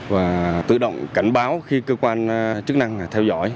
và tự động cảnh báo khi cơ quan chức năng theo dõi